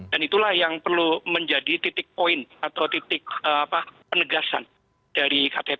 dan itulah yang perlu menjadi titik poin atau titik penegasan dari ktt